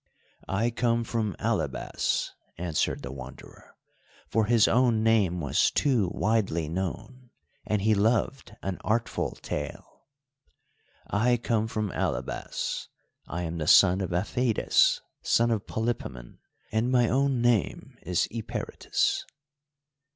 "I come from Alybas," answered the Wanderer, for his own name was too widely known, and he loved an artful tale. "I come from Alybas; I am the son of Apheidas, son of Polypemon, and my own name is Eperitus."